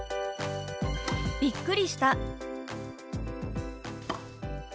「びっくりした」。